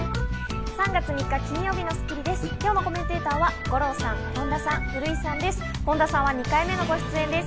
３月３日、金曜日の『スッキリ』です。